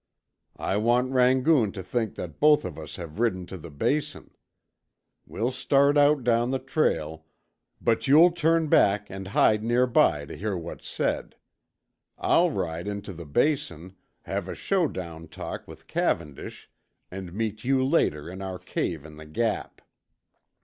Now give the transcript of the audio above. I want Rangoon to think that both of us have ridden to the Basin. We'll start out down the trail, but you'll turn back and hide near by to hear what's said. I'll ride into the Basin, have a showdown talk with Cavendish, and meet you later in our cave in the Gap."